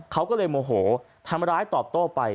เขาก็เลยโมโหทำร้ายตอบโต้ไป